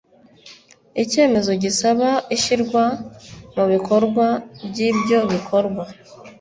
icyemezo gisaba ishyirwa mu bikorwa ryibyo bikorwa.